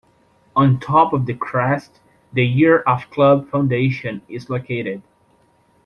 On the top of the crest the year of club foundation is located.